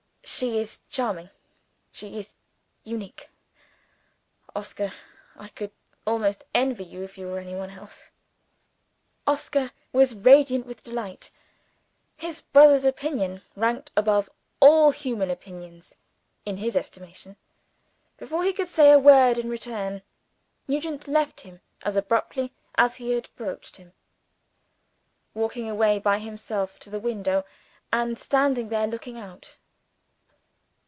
She is charming; she is unique. Oscar! I could almost envy you, if you were anyone else!" Oscar was radiant with delight. His brother's opinion ranked above all human opinions in his estimation. Before he could say a word in return, Nugent left him as abruptly as he had approached him; walking away by himself to the window and standing there, looking out.